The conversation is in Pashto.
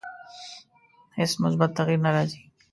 هیڅ مثبت تغییر نه راځي.